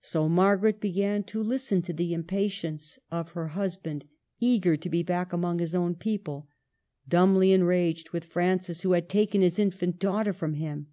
So Margaret began to listen to the impatience of her husband, eager to be back among his own people, dumbly enraged with Francis, who had taken his infant daughter from him.